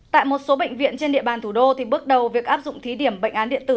tại một số bệnh viện trên địa bàn thủ đô bước đầu việc áp dụng thí điểm bệnh án điện tử